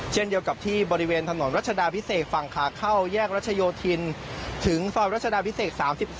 เช่นเดียวกับที่บริเวณถนนรัชดาพิเศษฝั่งขาเข้าแยกรัชโยธินถึงซอยรัชดาพิเศษ๓๒